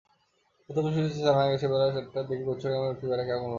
প্রত্যক্ষদর্শী সূত্রে জানা গেছে, বেলা দেড়টার দিকে গুচ্ছগ্রামের একটি ব্যারাকে আগুন লাগে।